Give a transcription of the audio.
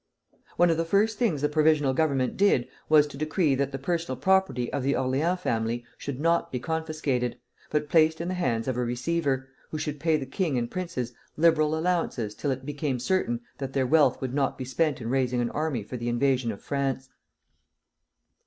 One of the first things the Provisional Government did was to decree that the personal property of the Orleans family should not be confiscated, but placed in the hands of a receiver, who should pay the king and princes liberal allowances till it became certain that their wealth would not be spent in raising an army for the invasion of France.